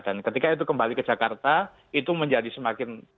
dan ketika itu kembali ke jakarta itu menjadi semakin